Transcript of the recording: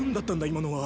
今のは。